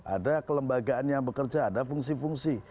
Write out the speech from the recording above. ada kelembagaan yang bekerja ada fungsi fungsi